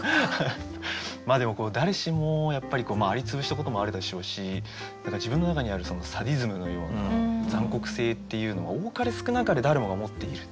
でも誰しもやっぱり蟻潰したこともあるでしょうし自分の中にあるそのサディズムのような残酷性っていうのは多かれ少なかれ誰もが持っている。